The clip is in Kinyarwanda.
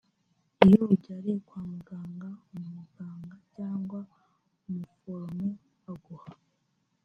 iyo ubyariye kwa muganga umuganga cyangwa umuforomo aguha